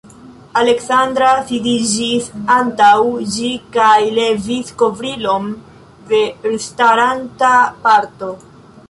Aleksandra sidiĝis antaŭ ĝi kaj levis kovrilon de elstaranta parto.